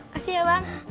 kasih ya bang